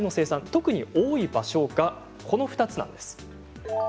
特に多い場所はこの２つなんです。